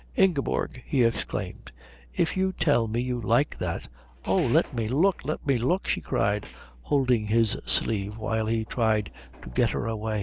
"Ingeborg," he exclaimed, "if you tell me you like that " "Oh, let me look, let me look," she cried, holding his sleeve while he tried to get her away.